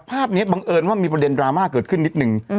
ภาพนี้บังเอิญว่ามีประเด็นดราม่าเกิดขึ้นนิดนึง